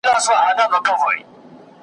پر قدم د پخوانیو اوسنی پکښی پیدا کړي .